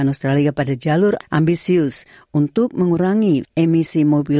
bahwa anda bisa mengurangkan emisi